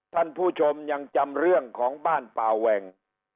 ท่านผู้ชมยังจำเรื่องของบ้านป่าแหว่ง